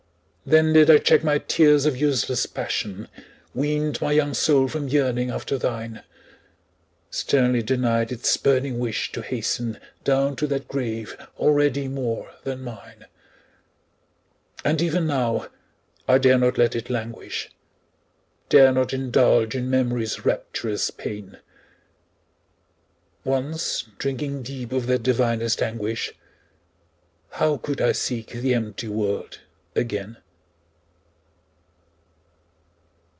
Then did I check my tears of useless passion, Weaned my young soul from yearning after thine, Sternly denied its burning wish to hasten Down to that grave already more than mine! And even now, I dare not let it languish, Dare not indulge in Memory's rapturous pain; Once drinking deep of that divinest anguish, How could I seek the empty world again?